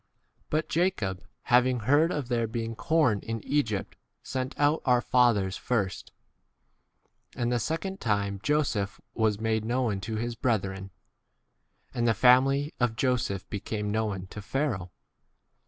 But Jacob, having heard of there being corn in Egypt, 13 sent out our fathers first ; and the second time Joseph was made known to his brethren, and the family of Joseph became known 14 to Pharaoh.